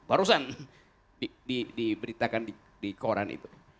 barusan diberitakan di koran itu